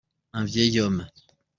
Un vieil homme.